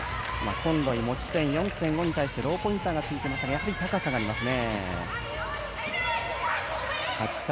コンロイ持ち点４．５に対してローポインターがついていましたがやはり高さがありますね。